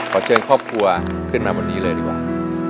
เชิญครอบครัวขึ้นมาบนนี้เลยดีกว่า